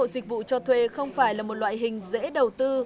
căn hộ dịch vụ cho thuê không phải là một loại hình dễ đầu tư